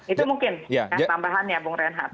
itu mungkin tambahannya bu renhat